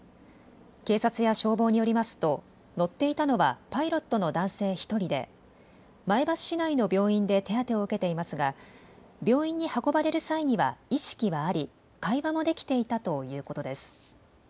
警察や消防によりますと乗っていたのはパイロットの男性１人で、前橋市内の病院で手当てを受けていますが病院に運ばれる際には意識はあり会話もできていたということです。